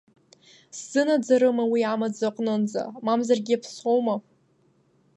Сзынаӡарыма уи амаӡа аҟнынӡа, мамзаргьы иаԥсоума?